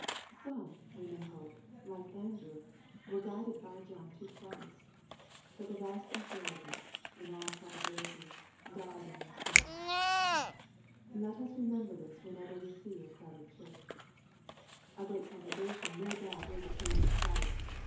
Some, we may hope, like Andrew, were guided by John to Christ. But the vast majority, in all probability, died in their sins. Let us remember this whenever we see a crowded enure h MARK, CHAP. I. 5 A great congregation no doubt is a pleasing sight.